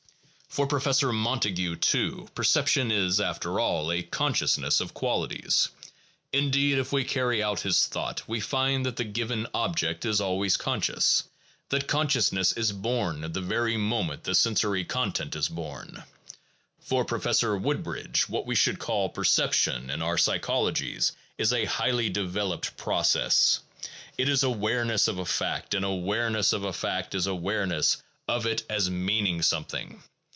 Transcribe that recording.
For Professor Montague, too, per ception is after all a consciousness of qualities; indeed, if we carry out his thought, we find that the given object is always conscious, that consciousness is born at the very moment the sensory content is born. For Professor Woodbridge, what we should call per ception in our psychologies is a highly developed process: it is awareness of a fact, and awareness of a fact is awareness of it as meaning something.